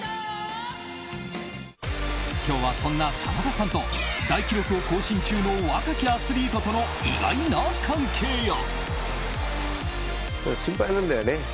今日は、そんな真田さんと大記録を更新中の若きアスリートとの意外な関係や。